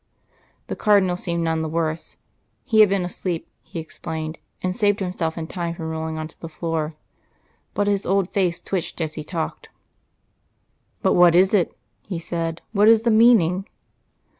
The Cardinal seemed none the worse. He had been asleep, he explained, and saved himself in time from rolling on to the floor; but his old face twitched as he talked. "But what is it?" he said. "What is the meaning?"